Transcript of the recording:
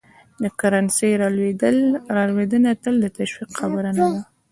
د کرنسۍ رالوېدنه تل د تشویش خبره نه ده.